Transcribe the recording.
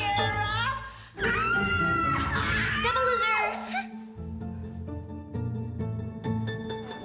tapi biar numkok allora porn ada kaya yang kecil